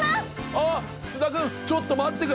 あぁ須田君ちょっと待ってくれ。